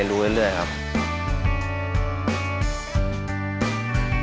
ค่อยสอนเราอะไรเราก็พัฒนาขึ้นมาครับ